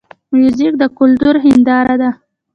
موزیک د کلتور هنداره ده.